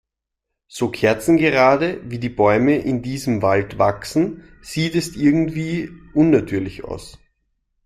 So kerzengerade, wie die Bäume in diesem Wald wachsen, sieht es irgendwie unnatürlich aus.